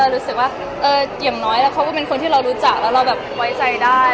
รู้สึกว่าเหิงน้อยแล้วเขาก็เป็นคนที่รู้จักแล้วเทียบ